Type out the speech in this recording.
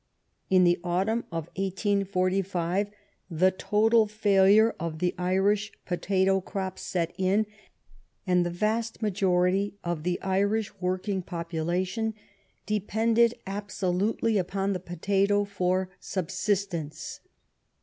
In the au tumn of 1845 the total failure of the Irish po tato crop set in; and the vast majority of the Irish working population de pended abso lutely upon the potato for sub sistence.